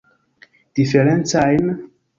Diferencajn?